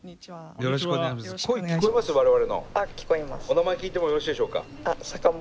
お名前聞いてもよろしいでしょうか。